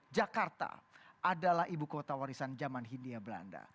jakarta adalah ibu kota warisan zaman hindia belanda